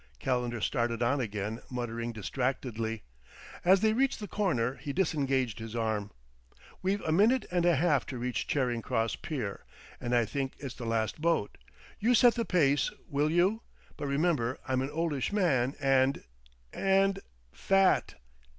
Calendar started on again, muttering distractedly. As they reached the corner he disengaged his arm. "We've a minute and a half to reach Charing Cross Pier; and I think it's the last boat. You set the pace, will you? But remember I'm an oldish man and and fat."